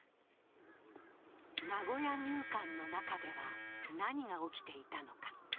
名古屋入管の中では何が起きていたのか。